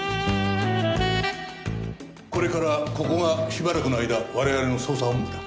これからここがしばらくの間我々の捜査本部だ。